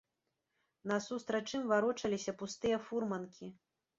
Насустрач ім варочаліся пустыя фурманкі.